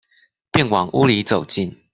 便往屋裡走進